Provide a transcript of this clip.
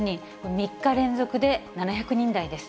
３日連続で７００人台です。